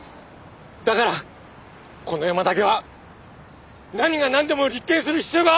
だからこのヤマだけは何がなんでも立件する必要があった！